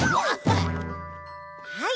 はい。